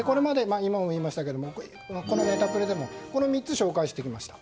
今も言いましたけど、これまでこのネタプレでもこの３つを紹介しました。